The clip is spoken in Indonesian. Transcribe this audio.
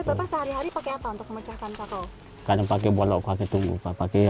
bisa hari hari pakai apa untuk memecahkan kakao